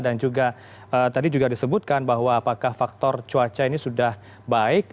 dan juga tadi juga disebutkan bahwa apakah faktor cuaca ini sudah baik